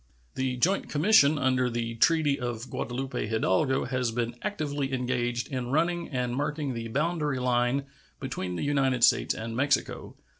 The joint commission under the treaty of Guadalupe Hidalgo has been actively engaged in running and marking the boundary line between the United States and Mexico.